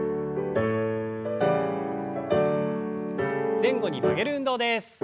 前後に曲げる運動です。